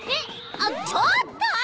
あっちょっと！